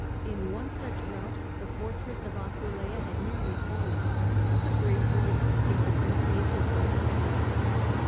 In one such rout the fortress of Aquileia had nearly fallen, but the bravery of its garrison saved it from disaster.